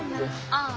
ああ。